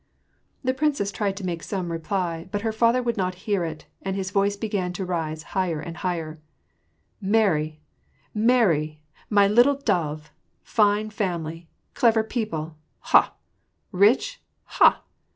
The princess tried to make some reply ; but her father would not hear to it, and his voice began to rise higher and higher, — "Marry, marry, my little dove! Fine family! Clever people, ha ? Rich ? ha